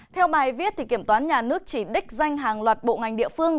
theo bài viết kiểm toán nhà nước chỉ đích danh hàng loạt bộ ngành địa phương